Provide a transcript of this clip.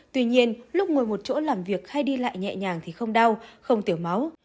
tuy nhiên lúc ngồi một chỗ làm việc hay đi lại nhẹ nhàng thì không đau không tiểu máu